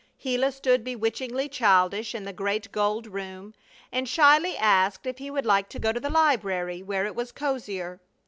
Gila stood bewitchingly childish in the great gold room, and shyly asked if he would like to go to the library, where it was cozier.